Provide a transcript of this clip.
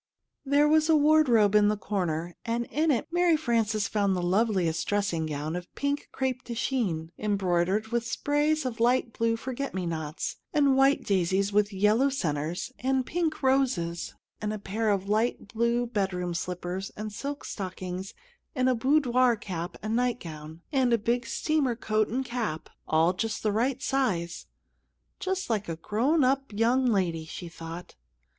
There was a wardrobe in a corner, and in it Mary Frances found the loveliest dressing gown of pink crêpe de chine, embroidered with sprays of light blue forget me nots, and white daisies with yellow centers, and pink roses; and a pair of light blue bedroom slippers and silk stockings, and a boudoir cap and nightgown, and a big steamer coat and cap all just the right size. "Just like a grown up young lady," she thought.